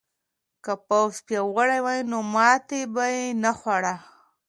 که پوځ پیاوړی وای نو ماتې به یې نه خوړه.